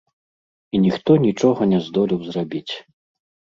І ніхто нічога не здолеў зрабіць.